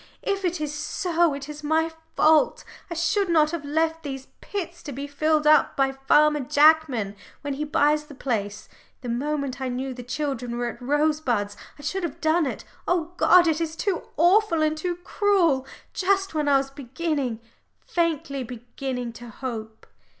if it is so, it is my fault. I should not have left these pits to be filled up by Farmer Jackman when he buys the place. The moment I knew the children were at Rosebuds, I should have done it. Oh God! it is too awful, and too cruel just when I was beginning, faintly beginning, to hope."